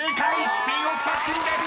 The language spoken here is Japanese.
「スピンオフ作品」です］